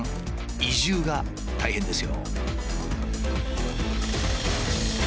移住が大変ですよ。